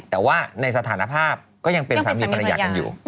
แต่ว่าในสถานภาพก็ยังเป็นสามีภรรยากันอยู่